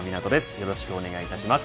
よろしくお願いします。